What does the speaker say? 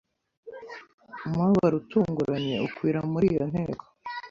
Umubabaro utunguranye ukwira muri iyo nteko